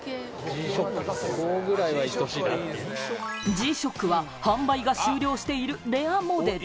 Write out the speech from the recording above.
Ｇ−ＳＨＯＣＫは販売が終了しているレアモデル。